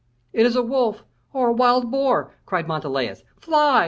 "It is a wolf or a wild boar," cried Montalais; "fly!